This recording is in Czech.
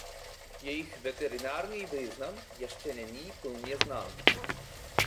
Jejich veterinární význam ještě není plně znám.